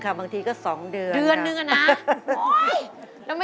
เขาไม่ได้รำร้องคิดถึงอะไร